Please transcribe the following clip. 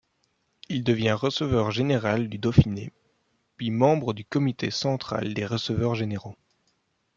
Il devient receveur général du Dauphiné, puis membre du comité central des receveurs généraux.